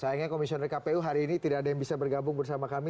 sayangnya komisioner kpu hari ini tidak ada yang bisa bergabung bersama kami